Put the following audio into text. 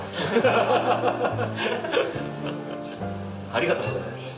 ありがとうございます。